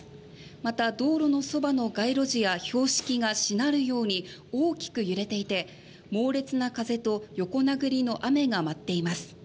また、道路のそばの街路樹や標識がしなるように大きく揺れていて猛烈な風と横殴りの雨が舞っています。